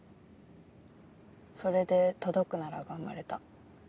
それで『届くなら』が生まれた。